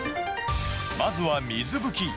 まずは水拭き。